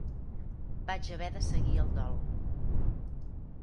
Vaig haver de seguir el dol